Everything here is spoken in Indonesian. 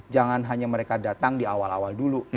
jangan hanya mereka datang di awal awal dulu